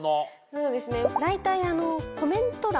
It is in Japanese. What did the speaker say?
そうですね。